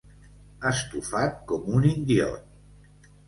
Estufat com un indiot.